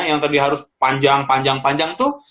yang tadi harus panjang panjang tuh